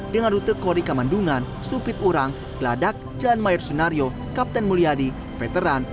dengan rute kori kamandungan supit urang geladak jalan mayor sunario kapten mulyadi veteran